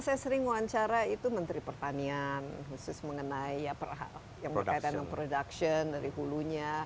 saya sering wawancara itu menteri pertanian khusus mengenai ya yang berkaitan dengan production dari hulunya